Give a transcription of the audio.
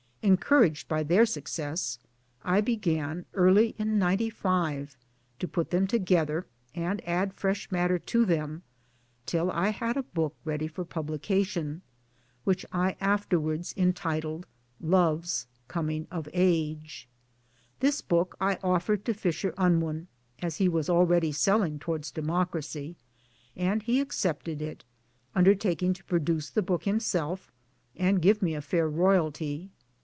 Encouraged by their success I began early in '95 to put them together, and add fresh matter to them, till I had a book ready for publication which I afterwards entitled Love's Coming of Age. This book I offered to Fisher Unwin (as he was already selling) Towards Democracy} and he accepted it undertaking to produce the book himself and give me a fair Royalty.